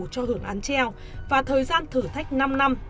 cho hưởng án treo và thời gian thử thách năm năm